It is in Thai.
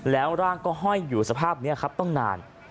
แล้วร่างก็ห้อยอยู่สภาพนี้ครับตั้งนาน